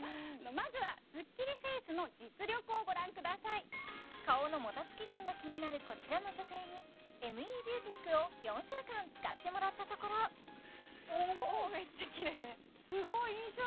まずはスッキリフェイスの実力をご覧ください顔のもたつき感が気になるこちらの女性にＭＥビューテックを４週間使ってもらったところおめっちゃ綺麗おすごい印象